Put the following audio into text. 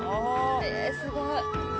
えすごい！